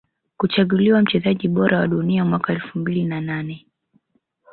Kuchaguliwa mchezaji bora wa Dunia mwaka elfu mbili na nane